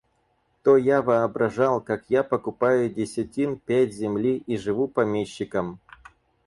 То я воображал, как я покупаю десятин пять земли и живу помещиком.